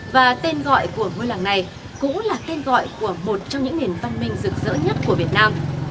và tên gọi của ngôi làng này cũng là tên gọi của một trong những nền văn minh rực rỡ nhất của việt nam